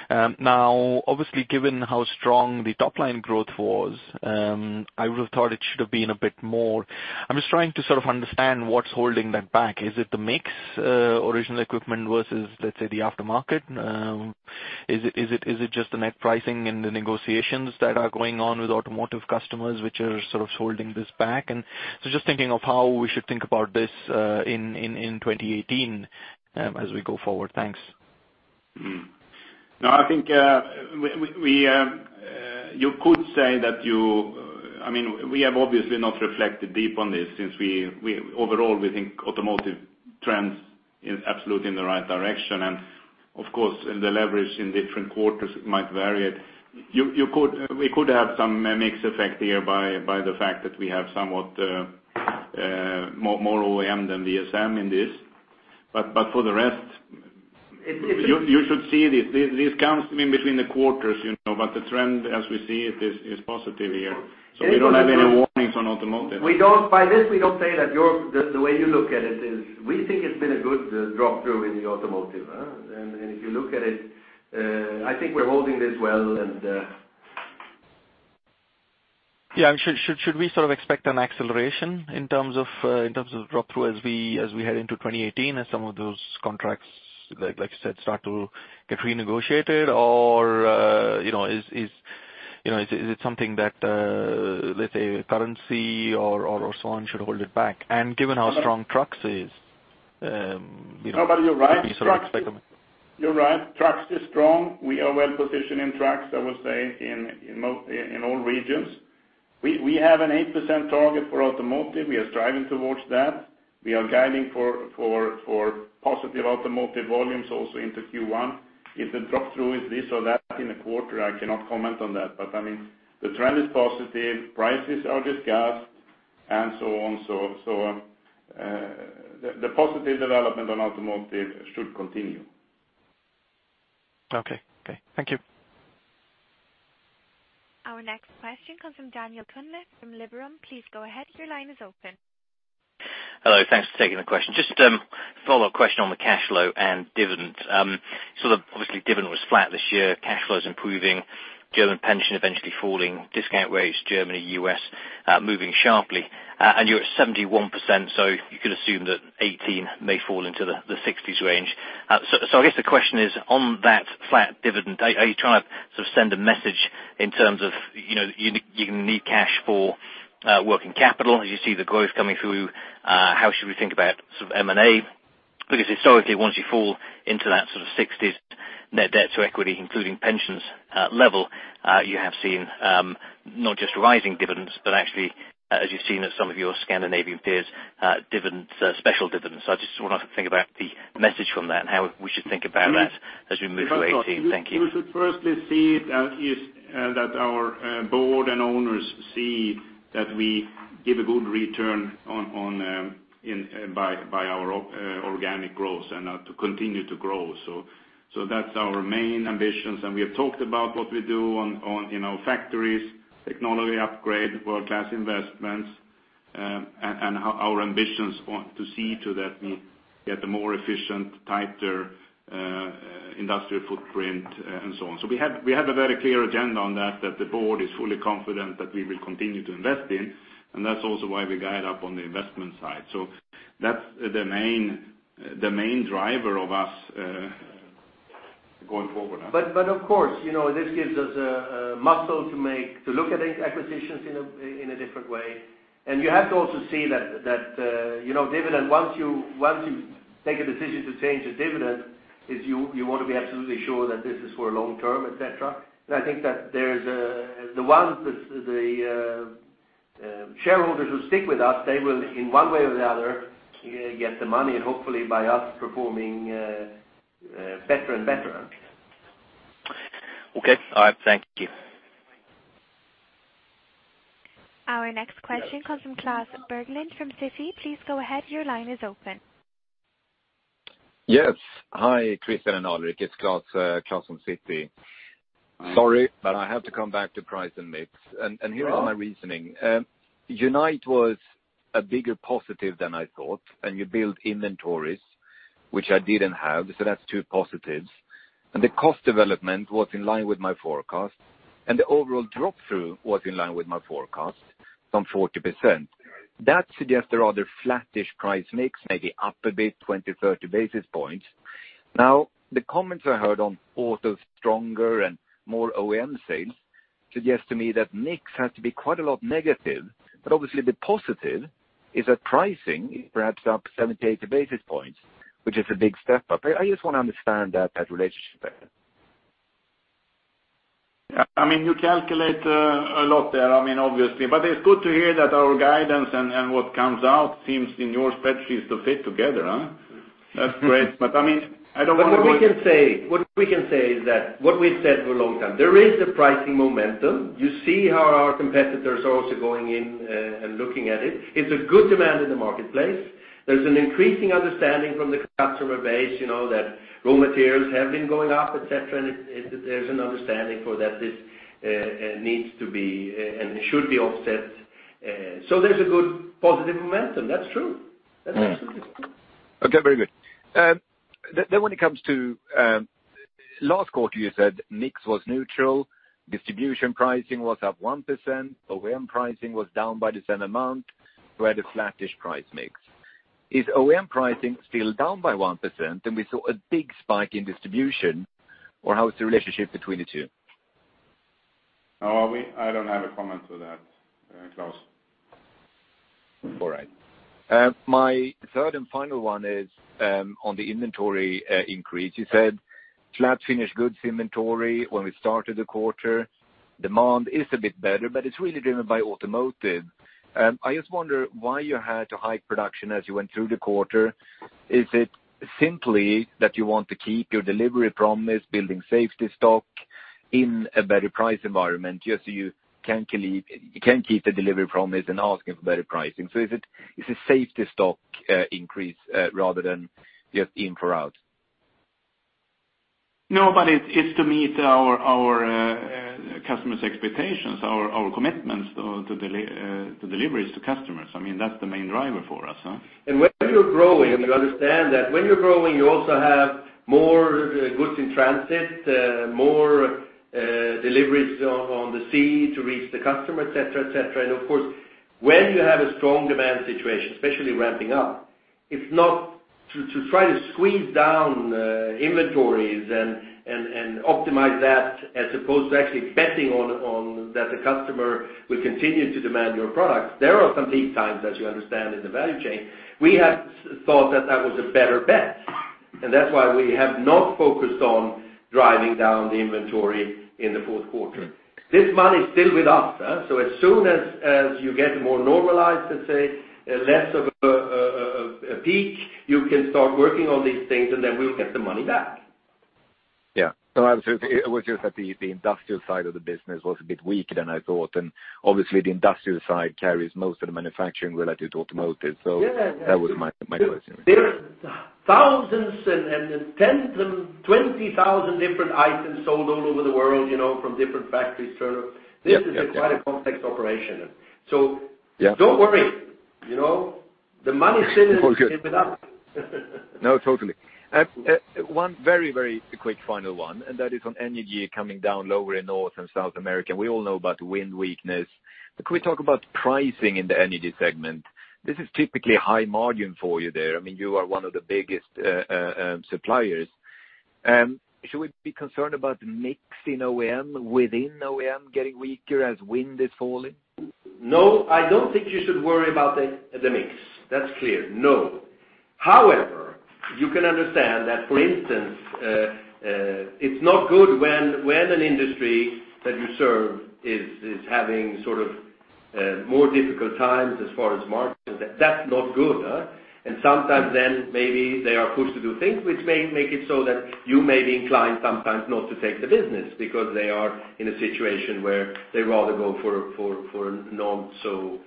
Speaker 11: Now, obviously, given how strong the top line growth was, I would have thought it should have been a bit more. I'm just trying to sort of understand what's holding that back. Is it the mix, original equipment versus, let's say, the aftermarket? Is it just the net pricing and the negotiations that are going on with automotive customers, which are sort of holding this back? And so just thinking of how we should think about this, in 2018, as we go forward. Thanks.
Speaker 3: No, I think you could say that -- I mean, we have obviously not reflected deep on this since we -- overall, we think automotive trends is absolutely in the right direction, and of course, the leverage in different quarters might vary. You could -- we could have some mix effect here by the fact that we have somewhat more OEM than VSM in this. But for the rest, you, you should see this, this comes in between the quarters, you know, but the trend, as we see it, is positive here. So we don't have any warnings on automotive.
Speaker 2: We don't, by this, we don't say that your, the way you look at it is, we think it's been a good drop-through in the automotive. And if you look at it, I think we're holding this well, and.
Speaker 11: Yeah, should we sort of expect an acceleration in terms of drop-through as we head into 2018, as some of those contracts, like you said, start to get renegotiated? Or, you know, is it something that, let's say, currency or so on should hold it back? And given how strong trucks is, you know.
Speaker 3: No, but you're right. Trucks—you're right, trucks is strong. We are well positioned in trucks, I would say, in all regions. We have an 8% target for automotive. We are striving towards that. We are guiding for positive automotive volumes also into Q1. If the drop-through is this or that in a quarter, I cannot comment on that. But I mean, the trend is positive, prices are discussed, and so on, the positive development on automotive should continue.
Speaker 11: Okay. Okay, thank you.
Speaker 4: Our next question comes from Daniel Cunliffe, from Liberum. Please go ahead. Your line is open.
Speaker 12: Hello, thanks for taking the question. Just, a follow-up question on the cash flow and dividend. So the, obviously, dividend was flat this year, cash flow is improving, German pension eventually falling, discount rates, Germany, U.S., moving sharply, and you're at 71%, so you could assume that 2018 may fall into the 60s range. So, I guess the question is, on that flat dividend, are you trying to sort of send a message in terms of, you know, you need cash for working capital? As you see the growth coming through, how should we think about sort of M&A? Because historically, once you fall into that sort of 60s net debt to equity, including pensions, level, you have seen, not just rising dividends, but actually, as you've seen in some of your Scandinavian peers, dividends, special dividends. So I just want to think about the message from that and how we should think about that as we move to 2018. Thank you.
Speaker 3: You should firstly see that is, that our board and owners see that we give a good return on, on, in, by, by our organic growth and to continue to grow. So that's our main ambitions, and we have talked about what we do on, on, in our factories, technology upgrade, world-class investments, and our ambitions on to see to that we get a more efficient, tighter industrial footprint, and so on. So we have a very clear agenda on that, that the board is fully confident that we will continue to invest in, and that's also why we guide up on the investment side. So that's the main, the main driver of us going forward.
Speaker 2: But of course, you know, this gives us a muscle to make to look at acquisitions in a different way. And you have to also see that, you know, dividend, once you take a decision to change the dividend, is you want to be absolutely sure that this is for long term, et cetera. And I think that there's the ones, the shareholders who stick with us, they will, in one way or the other, get the money, and hopefully by us performing better and better.
Speaker 12: Okay. All right. Thank you.
Speaker 4: Our next question comes from Klas Bergelind, from Citi. Please go ahead. Your line is open.
Speaker 13: Yes. Hi, Christian and Alrik, it's Klas, Klas from Citi. Sorry, but I have to come back to price and mix. Here is my reasoning. Unite was a bigger positive than I thought, and you built inventories, which I didn't have, so that's two positives. The cost development was in line with my forecast, and the overall drop-through was in line with my forecast, some 40%. That suggests a rather flattish price mix, maybe up a bit, 20-30 basis points. Now, the comments I heard on auto stronger and more OEM sales, suggests to me that mix had to be quite a lot negative, but obviously, the positive is that pricing, perhaps up 70-80 basis points, which is a big step up. I just want to understand that, that relationship there.
Speaker 2: I mean, you calculate, a lot there, I mean, obviously, but it's good to hear that our guidance and what comes out seems in your spreadsheets to fit together, huh? That's great. But what we can say, what we can say is that what we've said for a long time, there is a pricing momentum. You see how our competitors are also going in, and looking at it. It's a good demand in the marketplace. There's an increasing understanding from the customer base, you know, that raw materials have been going up, et cetera, and there's an understanding for that this needs to be, and should be offset. So there's a good positive momentum. That's true. That's true.
Speaker 13: Okay, very good. Then when it comes to, last quarter, you said mix was neutral, distribution pricing was up 1%, OEM pricing was down by the same amount, so had a flattish price/mix. Is OEM pricing still down by 1%, and we saw a big spike in distribution, or how is the relationship between the two?
Speaker 2: I don't have a comment to that, Klas.
Speaker 13: All right. My third and final one is on the inventory increase. You said flat finished goods inventory when we started the quarter. Demand is a bit better, but it's really driven by automotive. I just wonder why you had to hike production as you went through the quarter. Is it simply that you want to keep your delivery promise, building safety stock in a better price environment, just so you can believe—you can keep the delivery promise and ask for better pricing? So is it, it's a safety stock increase rather than just in for out.
Speaker 2: No, but it's to meet our customers' expectations, our commitments to deliveries to customers. I mean, that's the main driver for us, huh? And when you're growing, you understand that when you're growing, you also have more goods in transit, more deliveries on the sea to reach the customer, et cetera, et cetera. And of course, when you have a strong demand situation, especially ramping up, if not to try to squeeze down inventories and optimize that, as opposed to actually betting on that the customer will continue to demand your products. There are some lead times, as you understand, in the value chain. We have thought that that was a better bet, and that's why we have not focused on driving down the inventory in the fourth quarter. This money is still with us, so as soon as you get more normalized, let's say, less of a peak, you can start working on these things, and then we'll get the money back.
Speaker 13: Yeah. So absolutely, it was just that the, the industrial side of the business was a bit weaker than I thought. And obviously, the industrial side carries most of the manufacturing relative to automotive.
Speaker 2: Yeah.
Speaker 13: That was my question.
Speaker 2: There are thousands and tens and 20,000 different items sold all over the world, you know, from different factories, so-
Speaker 13: Yep, yep, yep.
Speaker 2: This is quite a complex operation. So-
Speaker 13: Yeah.
Speaker 2: Don't worry, you know, the money still is-
Speaker 13: All good.
Speaker 2: With us.
Speaker 13: No, totally. One very, very quick final one, and that is on energy coming down lower in North and South America. We all know about wind weakness. But can we talk about pricing in the energy segment? This is typically a high margin for you there. I mean, you are one of the biggest suppliers. Should we be concerned about mix in OEM, within OEM, getting weaker as wind is falling?
Speaker 2: No, I don't think you should worry about the mix. That's clear. No. However, you can understand that, for instance, it's not good when an industry that you serve is having sort of more difficult times as far as margins, that's not good, huh? And sometimes then, maybe they are pushed to do things which may make it so that you may be inclined sometimes not to take the business, because they are in a situation where they rather go for not so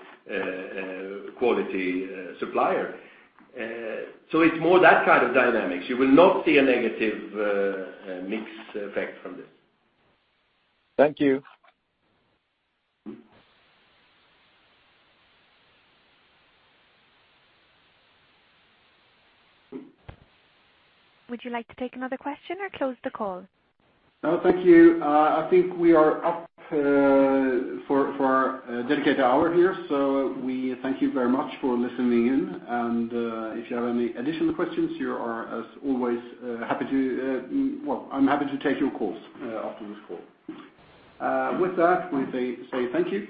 Speaker 2: quality supplier. So it's more that kind of dynamics. You will not see a negative mix effect from this.
Speaker 13: Thank you.
Speaker 4: Would you like to take another question or close the call?
Speaker 1: No, thank you. I think we are up for our dedicated hour here. So we thank you very much for listening in, and if you have any additional questions, you are, as always, happy to, well, I'm happy to take your calls after this call. With that, we say thank you.